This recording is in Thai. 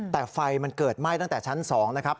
แต่ไฟมันเกิดไหม้ตั้งแต่ชั้น๒นะครับ